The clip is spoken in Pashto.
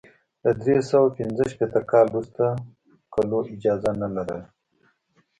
له درې سوه پنځه شپېته کال وروسته کلو اجازه نه لرله.